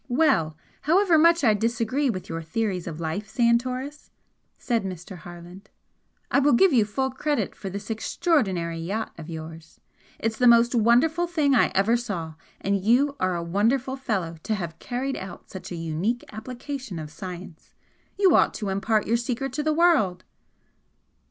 "Well! However much I disagree with your theories of life, Santoris," said Mr. Harland, "I will give you full credit for this extraordinary yacht of yours! It's the most wonderful thing I ever saw, and you are a wonderful fellow to have carried out such an unique application of science. You ought to impart your secret to the world."